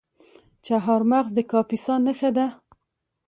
چهارمغز د کاپیسا نښه ده.